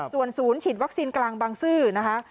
ส่วนศูนย์ฉีดวัคซีนกลางบางซื่อนะคะ